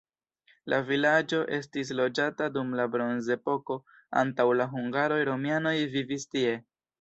La vilaĝo estis loĝata dum la bronzepoko, antaŭ la hungaroj romianoj vivis tie.